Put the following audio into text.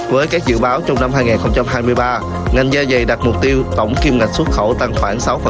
với các dự báo trong năm hai nghìn hai mươi ba ngành gia dày đạt mục tiêu tổng kim ngạch xuất khẩu tăng khoảng sáu tám